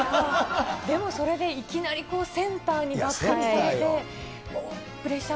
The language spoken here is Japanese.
でも、それでいきなりセンターに抜てきされて、プレッシャー